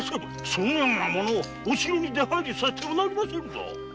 そのような者をお城に出入りさせてはなりませぬぞ！